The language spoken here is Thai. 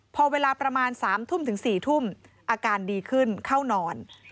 พอเวลาประมาณ๓ทุ่มถึง๔ทุ่มอาการดีขึ้นเข้านอน